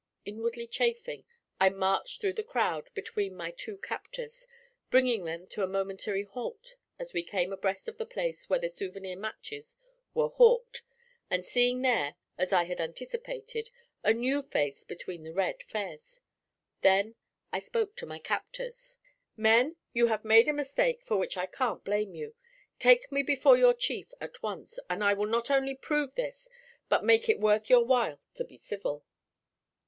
Inwardly chafing, I marched through the crowd between my two captors, bringing them to a momentary halt as we came abreast of the place where the souvenir matches were hawked, and seeing there, as I had anticipated, a new face beneath the red fez. Then I spoke to my captors: 'Men, you have made a mistake for which I can't blame you. Take me before your chief at once, and I will not only prove this, but make it worth your while to be civil.'